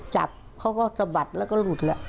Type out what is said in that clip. จับเขาก็สะบัดแล้วก็หลุดแล้ว